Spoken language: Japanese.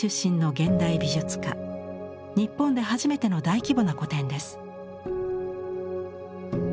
日本で初めての大規模な個展です。